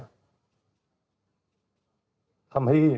ทำให้ทุกคนเนี่ยเข้าใจชัดเจนขึ้น